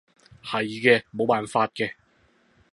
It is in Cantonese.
係嘅，冇辦法嘅